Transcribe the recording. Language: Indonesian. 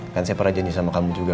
kan saya prajen sama kamu juga